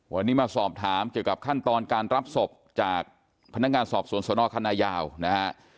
วันนี้มาสอบถามเกี่ยวกับขั้นตอนการรับศพจากพนักงานสอบสวนสนคณะยาวนะฮะ